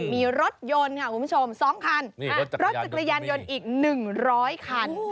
มีรถยนต์ค่ะคุณผู้ชม๒คันรถจักรยานยนต์อีก๑๐๐คัน